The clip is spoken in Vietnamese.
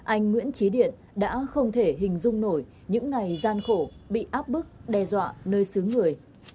anh nguyễn trí điện đã không thể hình dung nổi những ngày gian khổ bị áp bức đe dọa nơi xứ người